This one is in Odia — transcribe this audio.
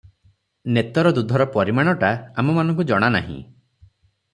ନେତର ଦୁଧର ପରିମାଣଟା ଆମମାନଙ୍କୁ ଜଣାନାହିଁ ।